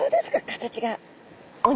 形が。